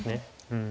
うん。